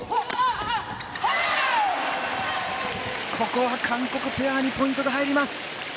ここは韓国ペアにポイントが入ります。